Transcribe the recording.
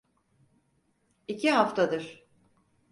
İki haftadır.